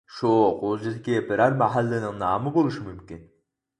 شۇ غۇلجىدىكى بىرەر مەھەللىنىڭ نامى بولۇشى مۇمكىن.